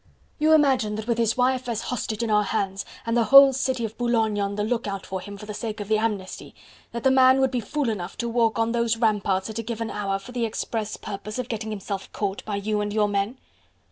"You imagine that with his wife as hostage in our hands, and the whole city of Boulogne on the lookout for him for the sake of the amnesty, that the man would be fool enough to walk on those ramparts at a given hour, for the express purpose of getting himself caught by you and your men?"